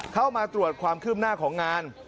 เข้ามาตรวจความคืบหน้าของงาน